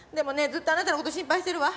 ずっとあなたの事心配してるわ。